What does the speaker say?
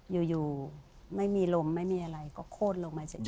อยู่ไม่มีลมไม่มีอะไรก็โคตรลงไปเสร็จ